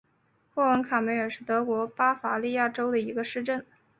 霍亨卡梅尔是德国巴伐利亚州的一个市镇。